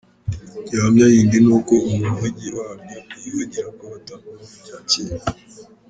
Gihamya yindi ni uko umuvugi waryo yivugira ko bataguma mu bya cyera.